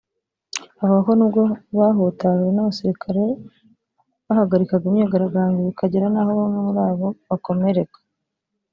Bavuga ko nubwo bahutajwe n’abasirikare bahagarikaga imyigaragambyo bikagera naho bamwe muri bo bakomereka